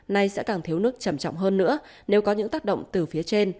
nay sẽ càng thiếu nước chậm chọng hơn nữa nếu có những tác động từ phía trên